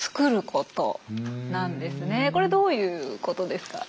これどういうことですか？